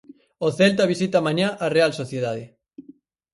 O Celta visita mañá a Real Sociedade.